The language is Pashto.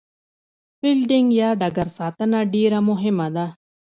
فیلډینګ یا ډګر ساتنه ډېره مهمه ده.